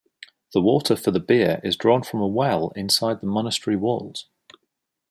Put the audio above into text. The water for the beer is drawn from a well inside the monastery walls.